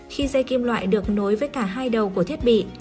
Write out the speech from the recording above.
khi dây kim loại được nối với cả hai đầu của thiết bị